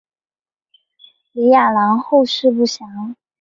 李雅郎后事不详。